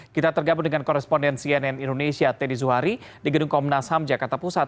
kita tergabung dengan koresponden cnn indonesia teddy zuhari di gedung komnas ham jakarta pusat